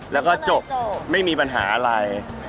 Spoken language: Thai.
แล้วก็จบไม่มีปัญหาอะไร